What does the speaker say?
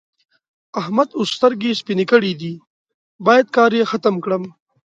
احمد اوس سترګې سپينې کړې دي؛ بايد کار يې ختم کړم.